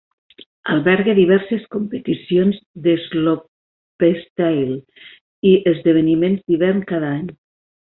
Alberga diverses competicions d'slopestyle i esdeveniments d'hivern cada any.